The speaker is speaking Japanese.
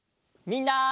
みんな。